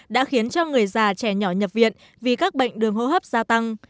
đã khiến cho người già trẻ nhỏ nhập viện vì các bệnh đường hô hấp gia tăng